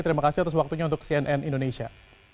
terima kasih atas waktunya untuk cnn indonesia